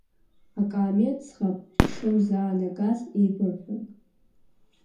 Акаамеҭ ӡӷаб дшырзаанагаз еибырҳәон.